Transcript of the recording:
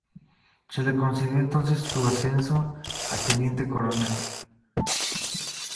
Se le concedió entonces su ascenso a teniente coronel.